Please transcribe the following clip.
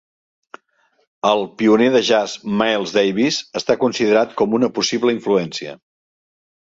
El pioner de Jazz, Miles Davis, està considerat com una possible influència.